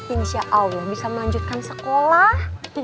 insya allah bisa melanjutkan sekolah